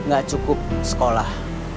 gak cukup sekolah